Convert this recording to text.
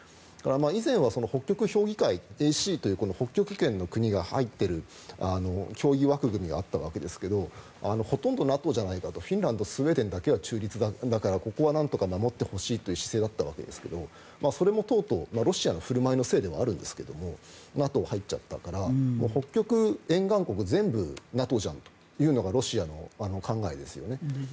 以前は北極評議会という北極圏の国が入っている協議枠組みがあったわけですがほとんどＮＡＴＯじゃないかスウェーデンフィンランドだけは中立だからここはなんとか守ってほしいという姿勢だったんですがそれもとうとう、ロシアの振る舞いのせいではあるんですがＮＡＴＯに入っちゃったから北極沿岸国全部ＮＡＴＯじゃんというのがロシアの考えですよね。